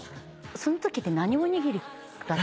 そのときって何おにぎりだった？